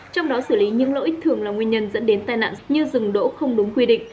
trong đó xử lý những lỗi thường là nguyên nhân dẫn đến tai nạn như rừng đỗ không đúng quy định